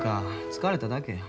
疲れただけや。